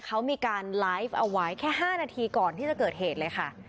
เขามีการไลฟ์เอาไว้แค่๕นาทีก่อนที่จะเกิดเหตุเลยค่ะ